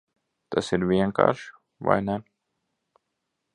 Tas ir vienkārši, vai ne?